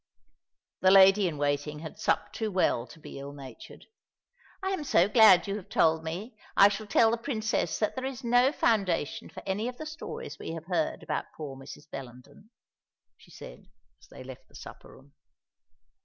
The lady in waiting had supped too well to be ill natured. "I am so glad you have told me. I shall tell the Princess that there is no foundation for any of the stories we have heard about poor Mrs. Bellenden," she said, as they left the supper room.